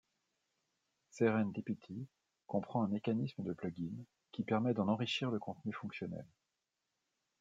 Serendipity comprend un mécanisme de plugins, qui permet d'en enrichir le contenu fonctionnel.